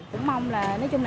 cũng mong là